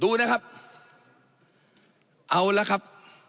ดูนะครับเอาละครับ